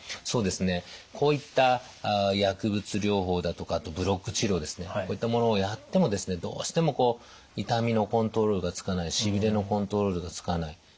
そうですねこういった薬物療法だとかあとブロック治療ですねこういったものをやってもですねどうしても痛みのコントロールがつかないしびれのコントロールがつかない。